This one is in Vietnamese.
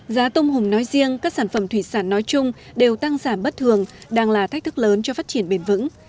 giá tôm hùm nói riêng các sản phẩm thủy sản nói chung đều tăng giảm bất thường đang là thách thức lớn cho phát triển bền vững